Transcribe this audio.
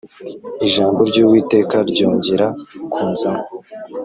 Ijambo ry’Uwiteka ryongera kunzaho